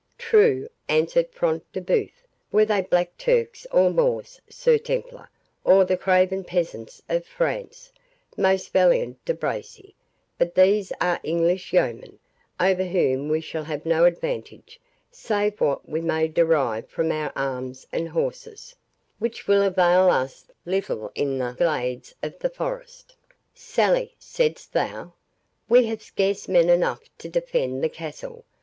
"True," answered Front de Bœuf; "were they black Turks or Moors, Sir Templar, or the craven peasants of France, most valiant De Bracy; but these are English yeomen, over whom we shall have no advantage, save what we may derive from our arms and horses, which will avail us little in the glades of the forest. Sally, saidst thou? we have scarce men enough to defend the castle.